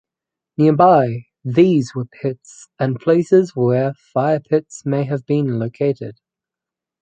Nearby these were pits and places where fire pits may have been located.